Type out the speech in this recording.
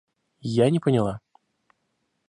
Я не поняла.